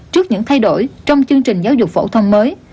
trước những thay đổi trong chương trình giáo dục phổ thông mới